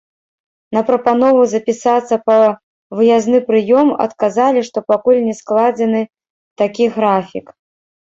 На прапанову запісацца па выязны прыём адказалі, што пакуль не складзены такі графік.